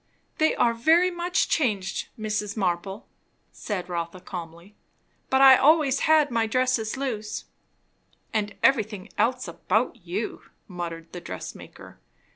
"They are very much changed, Mrs. Marble," said Rotha calmly. "But I always had my dresses loose." "And everything else about you! " muttered the dress maker.